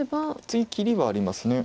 次切りはあります。